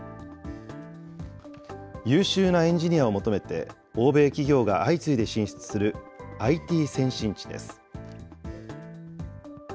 優秀なエンジニアを求めて、欧米企業が相次いで進出するＩＴ先進地です。